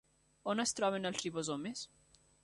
On es troben els ribosomes?